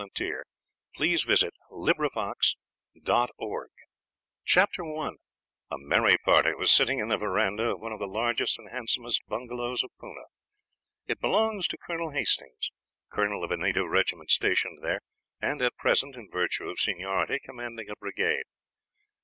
BEARS AND DACOITS A TALE OF THE GHAUTS CHAPTER I A merry party were sitting in the veranda of one of the largest and handsomest bungalows of Poonah. It belonged to Colonel Hastings, colonel of a native regiment stationed there, and at present, in virtue of seniority, commanding a brigade.